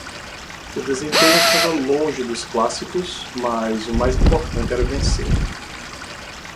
O desempenho estava longe dos clássicos, mas o mais importante era vencer.